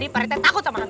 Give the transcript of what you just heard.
pak rt takut sama hantu